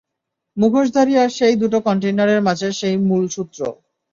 মুখোশধারী আর ওই দুটো কন্টেইনারের মাঝে সেই মূল সূত্র।